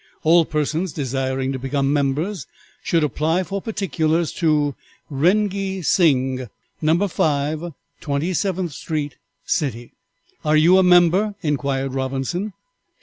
All persons desiring to become members should apply for particulars to Rengee Sing, No. Twenty seventh street, City." "Are you a member?" inquired Robinson.